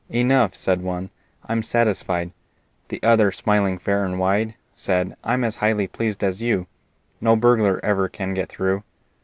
"Enough," said one: "I'm satisfied." The other, smiling fair and wide, Said: "I'm as highly pleased as you: No burglar ever can get through.